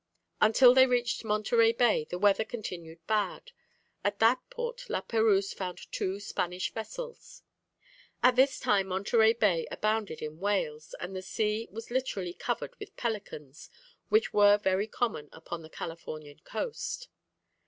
Until they reached Monterey Bay the weather continued bad. At that port La Perouse found two Spanish vessels. At this time Monterey Bay abounded in whales, and the sea was literally covered with pelicans, which were very common upon the Californian coast.